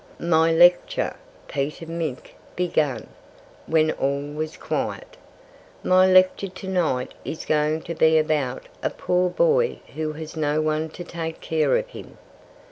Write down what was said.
"My lecture," Peter Mink began, when all was quiet, "my lecture to night is going to be about a poor boy who has no one to take care of him.